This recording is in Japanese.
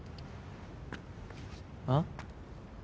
あっ？